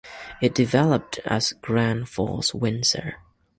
It developed as Grand Falls-Windsor.